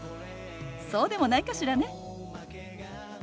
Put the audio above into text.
そうでもないかしらね。